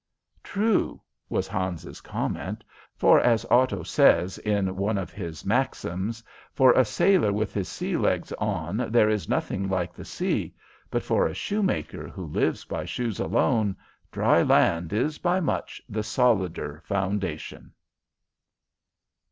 "True," was Hans's comment, "for as Otto well says in one of his maxims, 'For a sailor with his sea legs on there is nothing like the sea, but for a shoemaker who lives by shoes alone, dry land is by much the solider foundation.'"